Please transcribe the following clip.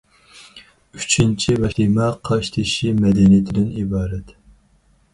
ئۈچىنچى باش تېما-- قاشتېشى مەدەنىيىتىدىن ئىبارەت.